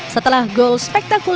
setelah gol spektakuler